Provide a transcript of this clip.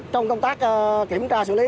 trong công tác kiểm tra xử lý